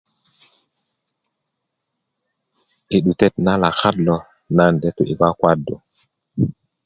i 'dutet na lakat lo na de tú i kwakwadu